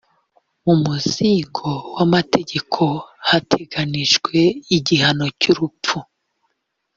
mu muzingo w amategeko hateganijwe igihano cy’urupfu